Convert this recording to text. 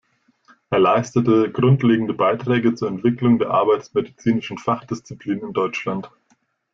Er leistete grundlegende Beiträge zur Entwicklung der arbeitsmedizinischen Fachdisziplin in Deutschland.